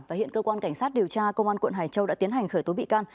và hiện cơ quan cảnh sát điều tra công an quận hải châu đã tiến hành khởi tố bị can